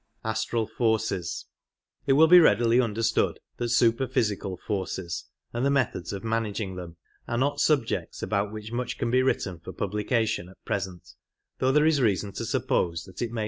It will be readily understood that superphysical forces and the methods of managing them are not subjects about which much can be written for publication at present, though there is reason to suppose that it may Forc«.